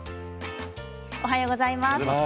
おはようございます。